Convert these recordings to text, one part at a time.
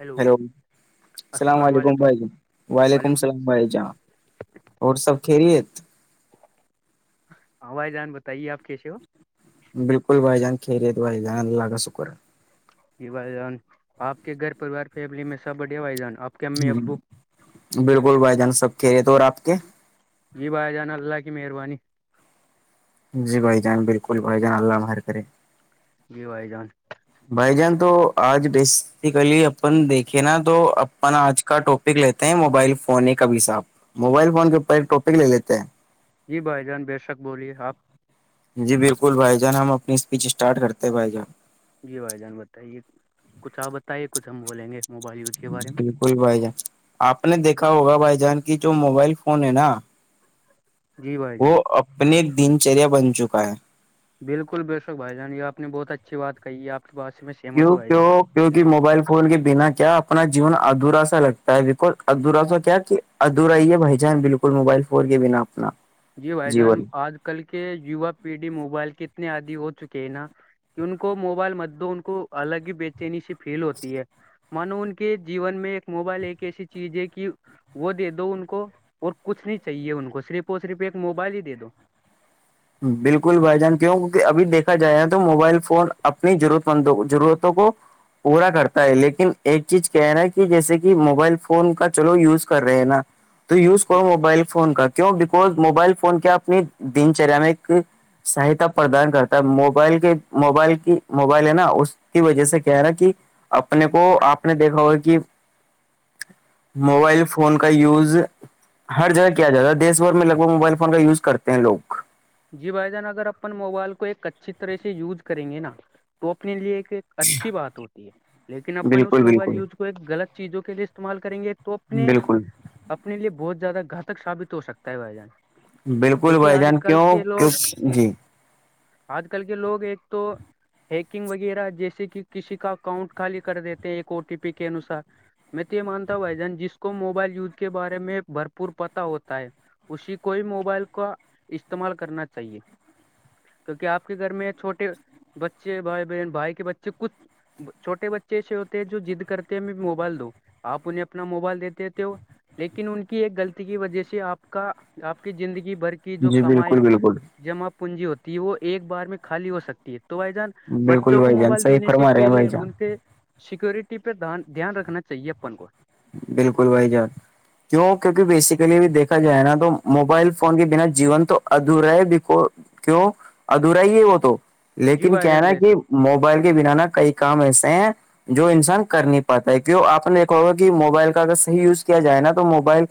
hello hello السلام علیکم بھائی ج وعلیکم السلام بھائی جاناں اور سب کھیریت آ بھائی جان بتائیے آپ کیسے ہو بالکل بھائی جان خھیریےت بائی جان اللہ کا شکر یہ بھائی جان آپ کے گھر پوار فیملی میں سب بڈے بھائی جان آپ کے امی ابو ہ بالکل بھائی جان سب کھی رہے تھ اور آپ کے جی بھائے جانا اللہ کی مہربانی جی بھائی جان بالکل بھائی جان اللہ ماہر کرے جی بھائی جان بھائی جان تو آج بیسیکلی اپن دیکھے نا تو اپنا آج کا ٹاپک لیتے ہیں موبائل فون کا بھی س آب موبائل فون کے اوپر ایک ٹاپک لے لیتے ہیں جی بھائی جان بے شک بولیے آپ جی بالکل بھائی جان ہم اپنی اسپیچ اسٹارٹ کرتے ہیں بھائی جان جی بھائی جان بتائیے کچھ آپ بتائیے کچھ ہم بولیں گے موبائل یوز کے بارے میں کوئی بھائی جان آپ نے دیکھا ہوگا بھائی جان کی جو موبائل فون ہے نا جی بھائی وہ جان اپنے دنچریا بن چکا ہے بالکل بے شک بھائی جان یہ آپ نے بہت اچھی بات کہ ہے آپ ب میں کی سہمت ہوں بھائی جان کیو کی کہ موبائل فون کے بنا کیا اپنا جیون ادھا سا لگتا ہے بیکز ادھورا سا کیا کہ ادور آئی ہے بھائی جان بالکل موبائل فون کے بنا اپنا جی بھائی جان جیون آج کل کے یوا پیڑھی موبائل کے اتنے عدی ہو چکے ہیں نا کہ ان کو موبائل مت دو ان کو الگ ہی بےچینی سی فیل ہوتی ہے مانو ان کے جیون میں ایک موبائل ایک ایسی چیز ہے کہ وہ دے دو ان کو اور کچھ نہیں چاہیے ان کو صرف اور صرف ایک موبائل ہی دے دو بالکل بھائی جان کیوں کی ابھی دیکھا جائے گا تو موبائل فون اپنی ضرورتندوں ضرورتوں کو پورا کرتا ہے لیکن ایک چیز کہ رہا ہے کہ جیسے کہ موبائل فون کا چلو یوز کر رہے ہیں نا تو یوز کرو موبائل فون کا کیوں بیکز موبائل فون کیا اپنی دن چریا میں ایک سہایتا پردان کرتا ہے موبائل کے موبائل کی موبائل ہے نا اس کی وجہ سے کہ رہا کہ اپنے کو آپ نے دیکھا ہوگا کہ موبائل فون کا یوز ہر جگہ کیا جاتا ہے دیش بھر میں لگ بگ موبائل فون کا یوز کرتے ہیں لگ جی بھائی جان اگر اپن موبائل کو ایک اچھی طرح سے یوز کریں گے نا تو اپنے لیے ایک اچھی بات ہوتی ہے لیکن اپن اس بالکل موبائل بالکل یوز کو ایک غلط چیزوں کے لیے استعمال کریں گے تو اپنے بالکل اپنے لیے بہت زیادہ گھاتک ثابت ہو سکتا ہے بھائی جان بالکل کیونکہ بھائی جان آج کل کیوں کے کیوں لوگ جی آج کل کے لوگ ایک تو ہیکنگ وغیرہ جیسے کہ کسی کا اکاؤنٹ خالی کر دیتے ایک او ٹی پی کے انوسار میں تو یہ مانتا ہوں بھائی جان جس کو موبائل یوز کے بارے میں بھرپور پتا ہوتا ہے اسی کوئی موبائل کا استعمال کرنا چاہیے کیوںکہ آپ کے گھر میں چھوٹے بچے بھائی بہن بھائی کے بچے کچھ چھوٹے بچے ایسے ہوتے ہیں جو جضد کرتے ہیں میں موبائل دو آپ انہیں اپنا موبائل دیتے تھے ہو لیکن ان کی ایک غلطی کی وجہ سے آپ کا آپ کی زندگی بھر کے کی جو جی کمائی بالکل بالکل جمع پونجی ہوتی ہے وہ ایک بار میں خالی ہو سکتی ہے تو بھائی جان بالکل بچوں کو بھائی جان موبائل صحیح دینے سے فرما رہے ہیں پہلے بھائی جان ان کے سیکورٹی پہ د دھیان رکھنا چاہیے اپن کو بالکل بھائی جان کیوں کیونکہ بیسیکلی بھی دیکھا جائے نا تو موبائل فون کے بنا جیون تو ادھورا ہے بھی کیوں ادھورا ہی ہے وہ تو جی لیکن بھائی کیا جان ہےنا بے کہ شک موبائل کے بنا نہ کئی کام ایسے ہیں جو انسان کر نہیں پاتا ہے کیوں آپ نے دیکھا ہوگا کہ موبائل کا اگر صحیح یوز کیا جائے نا تو موبائل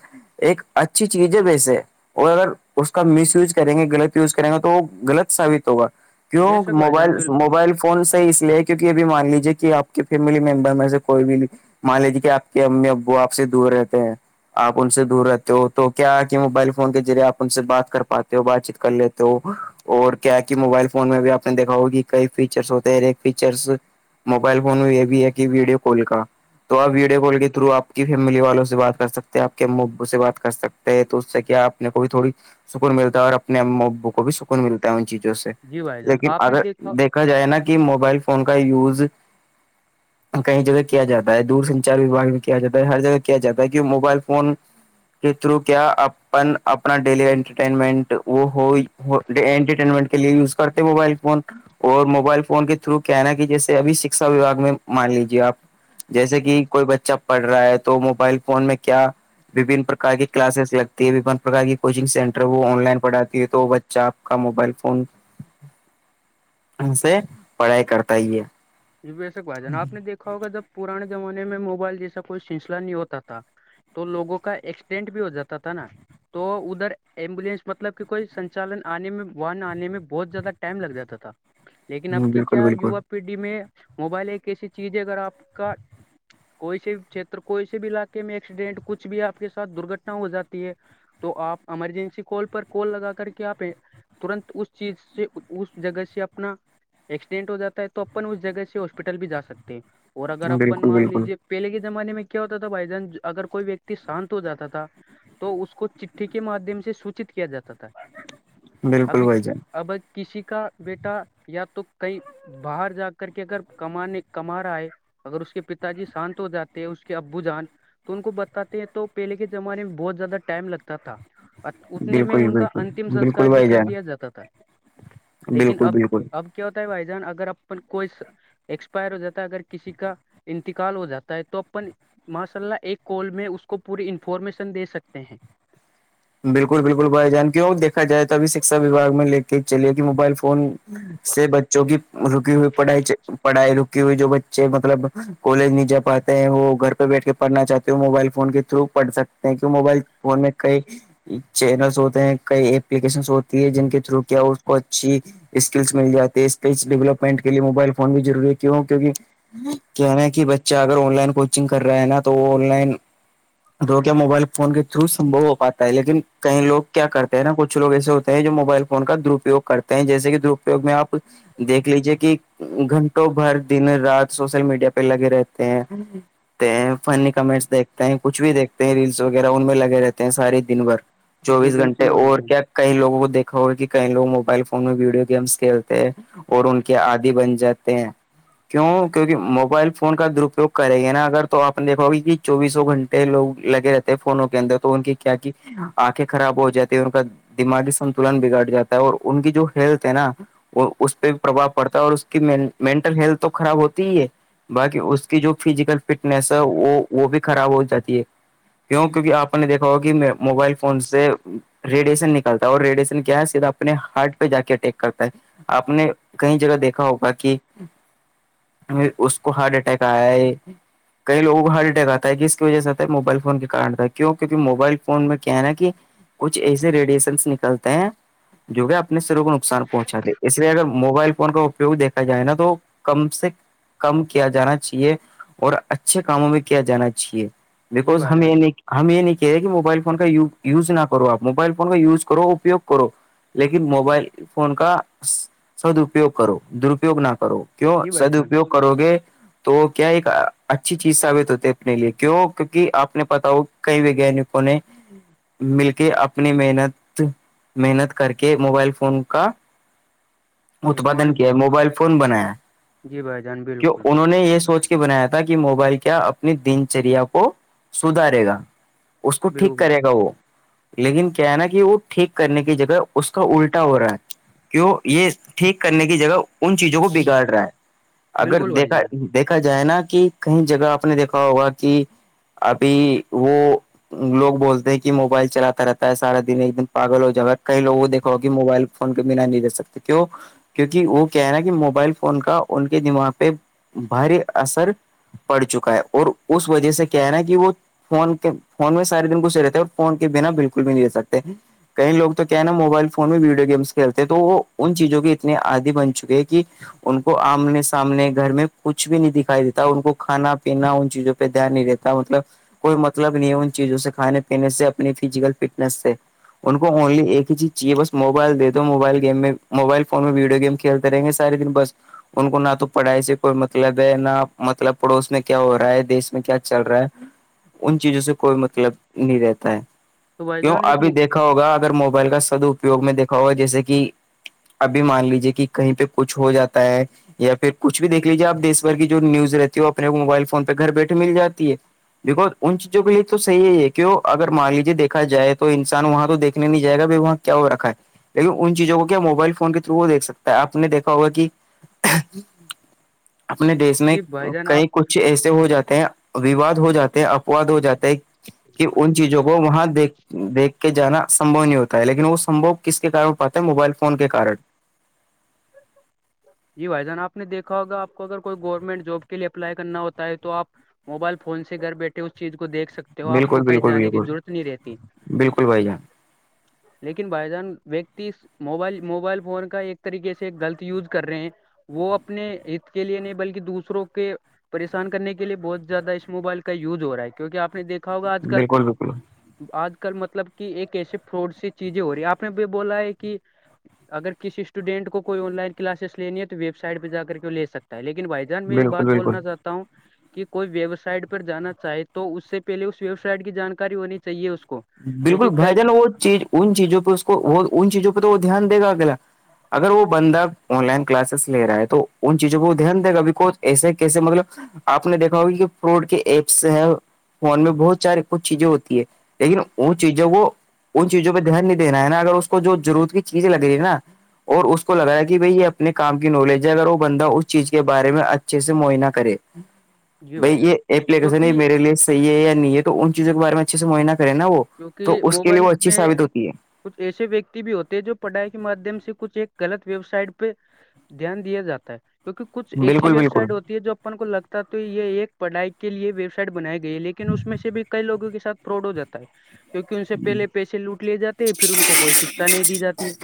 ایک اچھی چیز ہے ویسے اور اگر اس کا مس یوز کریں گے غلط یوز کریں گے تو وہ غلط ثابت ہوگا بے کیوں شک بھائی موبائل جان بالکل موبائل فون صحیح اس لیے کیوں کہ یہ بھی مان لیجیے کہ آپ کی فیملی ممبر میں سے کوئی بھی مان لیجیے کہ آپ کہ امی ابو آپ سے دور رہتے ہیں آپ ان سے دور رہتے ہو تو کیا کہ موبائل فون کے ذریعے آپ ان سے بات کر پاتے ہو بات چیت کر لیتے ہو اور کیا کہ موبائل فون میں بھی آپ نے دیکھا ہوگا کئی فیچرس ہوتے ہیں ہر ایک فیچرس موبائل فون یہ بھی ہے کہ ویڈیو کال کا تو آپ ویڈیو کال کے تھرو آپ کی فیملی والوں سے بات کر سکتے ہیں آپ کے ا ابو سے بات کر سکتے ہیں تو اس سے کیا آپ نے کوئی تھوڑی سکون ملتا ہے اور اپنے ا ابو کو بھی سکون ملتا ہے ان چیزوں سے جی بھائی جان لیکن آپ نے اگر دیکھا دیکھ ا جائے نا کہ موبائل فون کا یوز کئی جگہ کیا جاتا ہے دور سنچار وباگ کیا جاتا ہے ہر جگہ کیا جاتا ہے کہ موبائل فون کے تھرو کیا اپن اپنا ڈیلی انٹرٹینمنٹ وہ ہو انٹرٹینمنٹ کے لئے یوز کرتے ہیں موبائل فون اور موبائل فون کے تھرو کیا ہےنا کہ جیسے ابھی شکشا وباگ میں مان لیجیے آپ جیسے کہ کوئی بچہ پڑھ رہا ہے تو موبائل فون میں کیا وبھن پرکار کی کلاسز لگتی ہے وبن پرک کی کوچنگ سینٹر وہ آن لائن پڑھاتی ہے تو چ آپ کا موبائل فون [inaudible] سے پڑھائی کرتا ہی ہے جی ویسے بات ہے نا آپ نے دیکھا ہوگا جب پرانے زمانے میں موبائل جیسا کوئی سلسلہ نہیں ہوتا تھا تو لوگوں کا ایکسیڈینٹ بھی ہو جاتا تھا نا تو ادھر ایمبولینس مطلب کہ کوئی سنچالن آنے میں واہن آنے میں بہت زیادہ ٹائم لگ جاتا تھا لیکن اب ہوں، کی بالکل کیا بالکل ووا پیڑھی میں موبائل ایک ایسی چیز ہے اگر آپ کا کوئی سے بھی چھیر کوئی سے بھی علاقے میں ایکسیڈینٹ کچھ بھی آپ کے ساتھ درگھٹنا ہو جاتی ہے تو آپ ایمرجنسی کال پر کال لگا کر کے آپ ترنت اس چیز سے اس جگہ سے اپنا ایکسیڈنٹ ہو جاتا ہے تو اپن اس جگہ سے ہاسپٹل بھی جا سکتے ہیں اور اگر اپپن بالکل مان بالکل لیجیے پہلے کے زمانے میں کیا ہوتا تھا بھائی جان اگر کوئی ویکتی شانت ہو جاتا تھا تو اس کو چٹھی کے مادھیم سے سوچت کیا جاتا تھا بالکل ابھی بھائی جان اب کسی کا بیٹا یا تو کئی باہر جا کر کے اگر کمانے کما رہا ہے اگر اس کے پتا جی شانت ہو جاتے ہیں اس کے ابو جان تو ان کو بتاتے ہیں تو پہلے کے زمانے میں بہت زیادہ ٹائم لگتا تھا اتنے میں بالکل ان کا بالکل اتم بالکل سنسکار بھی بھائی کر جان دیا جاتا تھا لیکن بالکل اب بالکل اب کیا ہوتا ہے بھائی جان اگر اپن کوئی- ایکسپائر ہو جاتا ہے اگر کسی کا انتقال ہو جاتا ہے تو- ماشاءاللہ ایک کول میں اس کو پوری انفارمیشن دے سکتے ہیں- بالکل- بالکل بھائی جان, کیوں دیکھا جائے تو ابھی سکس ابھی باغ میں لے کے چلے گی موبائل فون- سے بچوں کی رکی ہوئی پڑے رکی ہوئی جو بچے مطلب- کالج نہیں جا پاتے ہیں وہ گھر پہ بیٹھ کے پڑھنا چاہتے ہو موبائل فون کے تھرو پڑھ سکتے ہیں کیوں موبائل فون میں کئی- چینلس ہوتے ہیں کئی اپلیکیشنس ہوتی ہے جن کے تھرو کیا اس کو اچھی- اسکلس مل جاتی ہے اسکلس ڈیولپمنٹ کےے موبائل فون بھیضروری ہے کیوں کیہ- کہنا کہ بچہ اگر آن لائن کوچنگ کر رہا ہے نا تو آن لائن- تو کیا موبائل فون کے تھرو سمبو ہو پاتا ہے لیکن کئی لگ کیا کرتے ہیں نا کچھ لگ ایسے ہوتے ہیں جو موبائل فون کا درپیوگ کرتے جیسے کہ درپیگ میں آپ دیکھ لیجیے کہ گھنٹوں بھر دن رات سوشل میڈیا پہ لگے رہتے ہیں ہیں فنی کمنٹس دیکتے ہیں کچھ بھی دیکتے ہیں ریلس وغیرہ ان میں لگے رہتے ہیں ساری دن بھر جی چوبیس گھنٹے بالکل بھائی اور جان کیا کئی لوگوں کو دیکا ہوگا کہ کئی لو موبائل فون میں ویڈیو گیمس کھیلتے ہیں اور ان کے عادی بن جاتے ہیں کیوں کیونکہ موبائل فون کا دراپیوگ کریں گے نا اگر تو آپ نے دیکھا ہوگا ابھء چوبیسوں گنٹے لوگ لگے رہتے ہیں فونوں کے اندر تو ان کی کیا کی- ا کے خراب ہو جاتی ہے ان کا دماغی سن تلن بگڑ جاتا ہے اور ان کی جو حیرت ہے نا اور اس پہ پرواہ پڑتا ہے اور اس کی مینٹل ہیلتھ تو خراب ہوتی ہے- باقی اس کی جو فزیکل فٹنیس ہے وہ وہ بھی خراب ہو جاتی ہے- کیوں کیونکہ آپ نے دیکا ہو کہ موبائل فون سے- ریڈیشن نکلتا ہے اور ریڈیشن کیا ہے سیدھا اپنے ہارٹ پہ جا کے اٹیک کرتا ہے- آپ نے کئی جگہ دیکھا ہوگا کہ- اس کو ہارٹ اٹیک آیا ہے- کئی لوگوں کا حال ٹیک اتا ہے کہ اس کی وجہ سے ہوتا ہے موبائل فون کے کارڈ پہ کیوں کیونکہ موبائل- فون میں کیا ہے نا کہ کچھ ایسے ریڈیشنس نکلتے ہیں- جو ہے اپنے سروں کو نقصان پہنچاے اس لیے اگر- موبائل فون کا اپیوگ دیکھا جائے نا تو کم سے- کم کیا جانا چاہیے اور اچھے کاموں میں کیا جانا چاہیے- جی بکوز بھائی ہم یہ جان نہیں ہم یہ نہیں کہہے کہ وہ- موبائل فون کا یز نہ کروپ موبائل فون کا یوز کرو اپوگ کرو- لیکن موبائل فون کا سدپیوگ کرو درپیوگ نہ کرو- کیوں جی بھائی جان سدپیوگ کرو گے تو کیا ایک اچھی چیز ثابت ہوتی ہے اپنے، لیے کیوں کیونکہ اپ نے بتاؤ کہ کونے مل کے اپنی محنت محنت کر کے موبائل فون کا- [inaudible] اتپادن کیا موبائل فون بنایا جی بھائی جان کی بالکل انہوں نے یہ سوچا- بنایا تھا کہ موبائل کیا اپنی دنچریا کو سدھارے گا- اس کو ٹھیک بالکل کرے گا وہ- لیکن کیا ہے نا کہ وہ ٹھیک کرنے کی جگہ اس کا الٹا ہو رہا ہے- کیوں یہ ٹھیک کرنے کی جگہ ان چیزوں کو بگاڑ رہا ہے اگر بالکل بھائی دیکھا- جان دیکھا جائے نا کہ کیں جگہ آپ نے دیکھا ہوگا کہ ابھی وہ- لوگ بولتے ہیں کہ موبائل چلاتا رہتا ہے سارا دن ایک دن پاگل ہو جا کئی لووں کو دیکھا ہوگ کہ موبائل- ف کے بنا نہیں دے سکتے کیوں- کیونکہ وہ کہہ رہا ہے کہ موبائل فون کا ان کے دماغ پہ باہر اثر- پڑ چکا ہے اور اس، وجہ سے کیا ہے نا کہ وہ فون کے فون میں سارے دن گھسے رہتے ہیں اور فون کے بنا بالکل بھی نہیں رہ سکتے- کئی لوگ تو کیا ہے نا موبائل فون میں ویڈیو گیمس کھیلتے تو وہ ان چیزوں کے اتنی آدھی بن چک ہے کہ- ان کو آمنے سامنے گھر میں کچھ بھی نہیں دکھائی دیتا ان کو کانا پینا ان چیزوں پہ دھیان نہیں دیتا- مطلب کوئی مطلب نہیں ہے ان چیزوں سے کھانے پینے سے اپنی فزیکل فٹنس سے- ان کو اونلی ایک ہییز چاہیے بس موبائل د دو موبائل گیم میں موبائل فون میں ویڈیو گیم- کھیلتے رہیں گے سارے دن بس ان کو نہ تو پڑھائی سے کوئی مطلب ہے نہ مطلب پڑوس میں کیا ہو رہا ہے دیش میں کیا چل رہا ہے ان چیزوں سے کوئی مطلب نہیں رہتا ہے تو بھائی کیوں جان ایک ابھی دیکھ یکا ہوگ اگر موبائل کا سدپیگ میں دیکا ہوگا جیسے کہ ابھی مان لیجے کہ کہیں پہ کچھ ہو جاتا ہے یا پھر کچھ بھی دیکھ لیجیے اپ دیش ور کی جو نیوز رہتی ہے وہ اپنے وہ موبائل فون پہ گھر بیٹھے مل جاتی ہے- ج کوت, دیکھا جائے تو انسان وہاں تو دیکھنے نہیں جائے گا- کیا ہو رکھا ہے لیکن ان چیزوں کو کیا موبائل فون کے تھرو دھ سکتا ہے آپ نے دیکھا ہوگا کہ- [inaudible] اپنے دیش میں جی بھائی جان کئی آپ کچھ ایسے ہو جاتے ہیں وواد ہو جاتے ہیں اد ہو جاتا ہے کہ من ان تو بول چیزوں کو آواز وہاں ہے دیکھ کے جانا سمبھو نہیں ہوتا ہے لیکن وہ سمبو کس کے کار پاتتا ہے موبائل فون کے کن جی بھائی جان آپ نے دیکا ہوگا آپ کو اگر کوئی گورنمنٹ جاب کے لیے اپلائی کرنا ہوتا ہے تو آپ موبائل فون سے گھر بیٹھے اس چیز کو دیکھ سکتے تو آپ کو بالکل کہیں بالکل جانے کی بالکل ضرورت نہیں رہتی بالکل بھائی جان لیکن بھائی جان ویکتی موبائل موبائل فون کا ایک طریقے سے غلط یوز کر رہے ہیں وہ اپنے ہت کے لیے نہیں بلکہ دوسروں کے پریشان کرنے کے لیے بہت زیادہ اس موبائل کا یوز ہو رہا ہے کیونکہ آپ نے دیکھا ہوگا آج کل بالکل بالکل آج کل مطلب کہ ایک ایسی فراڈ سی چیزیں ہو رہی ہے آپ نے بھی بولا ہے کہ اگر کسی اسٹوڈینٹ کوئی آن لائن کلاسس لینی ہے تو ویب سائٹ پہ جا کر کے وہ لے سکتا ہے لیکن بھائی جان میں ایک بالکل بات بالکل بولنا چاہتا ہوں کہ کوئی ویب سائٹ پر جانا چاہے تو اس سے پہلے اس ویب سائٹ کی جانکاری ہونی چاہیے اس کو بالکل کیونکہ بھائی کئی جان وہ چیز ان چیزوں پہ اس کو ان چیزوں پہ تو وہ دھیان دےا اگلا اگر وہ بندہ آن لائن کلاسز لے رہا ہے تو ان چیزوں کو دھیان دے گابھی کو ایسے کیسے مطلب آپ نے دیکھا ہوگی کہ فروڈ کے ایپس ہیں فون میں بہت سارے کچھ چیزیں ہوتی ہے لیکن ان چیزوں کو ان چیزوں پہ دھیان نہیں دینا ہے نا اگر اس کو جو ضرورت کی چیزیں لگ رہی ہے نا اور اس کو لگا ہے کہ بھائی یہ اپنے کام کی نالج ہے اگر وہ بندہ اس چیز کے بارے میں اچھے سے معائنہ کرے جی بھائی جان یہ اپپلیکیشن ہے کیونکہ میرے لی صحیح ہے یا نہیں ہے تو ان چیزوں کے بارے میں اچھے سے معائنہ کرے نا وہ تو کیونکہ اس کے لیے موبائل وہ اچھی میں ثابت ہوتی ہے کچھ ایسے ویکتی بھی ہوتے جو پڑھائی کے مادھیم سے کچھ ایک غلط ویب سائٹ پہ دھیان دیا جاتا ہے کیکہ کچھ ہے ایسی بالکل ویب بالکل سائٹ ہوتی ہے جو اپن کو لگتا ہے تو یہ ایک پڑھائی کےے ویب سائٹ بنائے گی لیکن اس میں سے بھی کئی لوگوں کے سھ پروڈ ہو جاتا ہے کیونکہ ان سے پہلے پیسے لوٹ لیے جاتے ہیں پھر ان کوئی شکشا نہیں دی جاتی ہے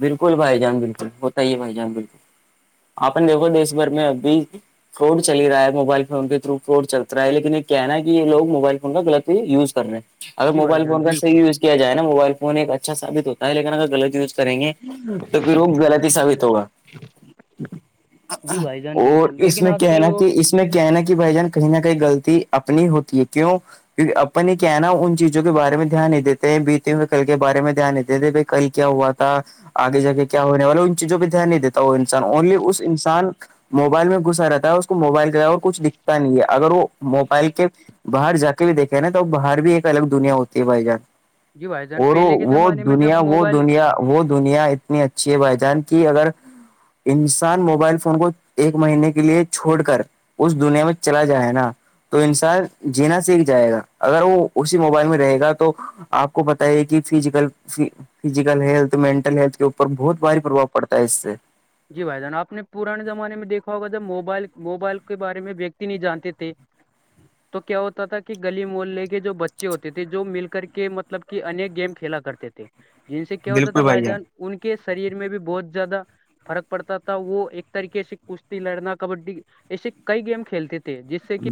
بالکل بھائی جان بالکل ہوتا ہی ہے بھائی جان بالکل آپ نے دیکھو دیش بھر میں ابھی فراڈ چلی رہا ہے موبائل فون کے تھرو فراڈ چل رہا لیکن یہ کہنا ہے کہ یہ لو موبائل فون کا غلط یوز رہے ہیں اگر جی بھائی موبائل جان فون بالکل کاحیو کیا جائے نا موبائل فون ایک اچھا ثت ہوتا ہےیکن اگر غط یوز کریں گے تو پھر روگ غلط ہی ثابت ہوگا جی بھائی جان اور بالکل اس لیکن میں آج کیا ہے کل نا لوگ کہ اس میں کہنا کہ بھائی جان کہیں نہ کہیں گغلطی اپنی ہوتی ہے کیوں کی اپن ہی کہناا ان چیزوں کے بارے میں دھیان نہیں دیتے ہیں بیتے ہوئے کل کے بارے میں دھیان نہیں دیتے ب کل کیا ہوا تھا آگے جا کے کیا ہونے والا ان چیزوں پہ دھیان نہیں دیتا وہ انسان اونلی اس انسان موبائل میں گھسا رہتا ہے اس کو موبائل کے اور کچھ دکھتا نہیں ہے اگر وہ موبائل کے باہر جا کے بھی دیکھے نا تو باہر بھی ایک الگ دنیا ہوتی ہے بھائی جان جی بھائی جان اور پہلے کے وہ زمانے میں جب دنیا وہ موبائل دنیا وہ دنیا اتنی اچھی ہے بھائی جان کی اگر انسان موبائل فون کو ایک مہینے کے لیے چھوڑ کر اس دنیا میں چلا جائےائے نا تو انسان جینا سیکھ جائے گا اگر وہ اسی موبائل میں رہے گا تو آپ کو پت ہے کہ physical physical health mental health کےوپر بہت باری پربھؤ پڑتا ہے اس سے جی بھائی جان آپ نے پرانے زمانے میں دیکھا ہوگا جب موبائل موبائل کے بارے میں ویکتی نہیں جانتے تھے تو کیا ہوتا تھا کہ گلی مولنے کے جو بچے ہوتے تھے جو مل کر کے م مطلب کہ انیک گیم کھیلا کرتے تھے جن سے کیا ہوتا تھا بھائی جان ان کے شریر میں بھی بہت زیادہ فرق پڑتا تھا وہ ایک طریقے سے کشتی لڑنا کبڈی ایسے کئی گیم کھیلتے تھے جس سے کہ